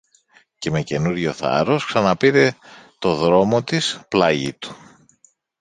Και με καινούριο θάρρος ξαναπήρε το δρόμο της πλάγι του.